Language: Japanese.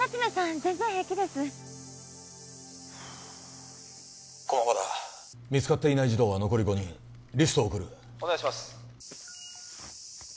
全然平気ですふう駒場だ見つかっていない児童は残り５人リストを送るお願いします